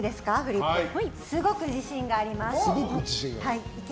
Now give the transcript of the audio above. すごく自信があります。